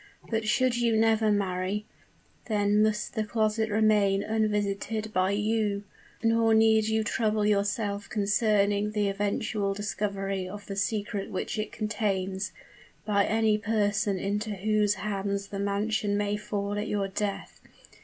But should you never marry, then must the closet remain unvisited by you; nor need you trouble yourself concerning the eventual discovery of the secret which it contains, by any person into whose hands the mansion may fall at your death.